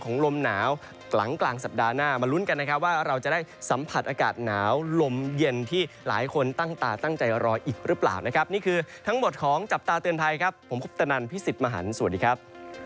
ลมหนาวหลังกลางสัปดาห์หน้ามาลุ้นกันนะครับว่าเราจะได้สัมผัสอากาศหนาวลมเย็นที่หลายคนตั้งตาตั้งใจรออีกหรือเปล่านะครับนี่คือทั้งหมดของจับตาเตือนภัยครับผมคุปตนันพี่สิทธิ์มหันฯสวัสดีครับ